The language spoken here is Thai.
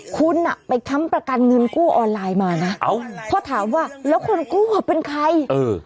คุณไปทำประกันเงินกู้ออนไลน์มานะเพราะถามว่าแล้วคนกู้เป็นใคร